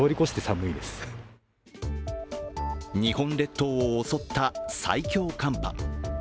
日本列島を襲った最強寒波。